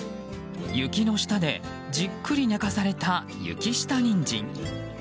雪の下でじっくり寝かされた雪下ニンジン。